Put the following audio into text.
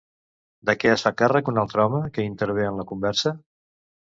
De què es fa càrrec un altre home que intervé en la conversa?